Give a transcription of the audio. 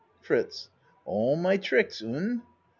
FRITZ All my tricks, un?